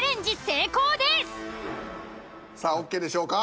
さあＯＫでしょうか？